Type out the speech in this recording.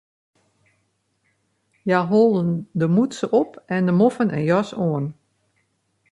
Hja holden de mûtse op en de moffen en jas oan.